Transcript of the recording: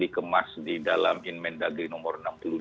dikemas di dalam inmen dagri nomor enam puluh dua